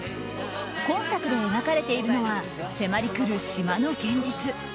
今作で描かれているのは迫りくる島の現実。